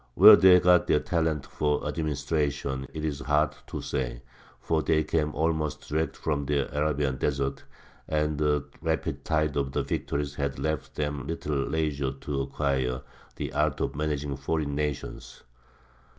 Where they got their talent for administration it is hard to say, for they came almost direct from their Arabian deserts, and the rapid tide of victories had left them little leisure to acquire the art of managing foreign nations.